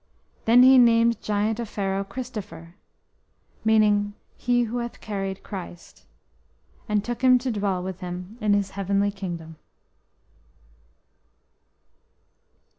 Then He named Giant Offero "Cristopher," meaning "He who hath carried Christ," and took him to dwell with Him in His Heavenly Kingdom.